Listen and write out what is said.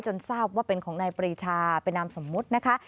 ทราบว่าเป็นของนายปรีชาเป็นนามสมมุตินะคะ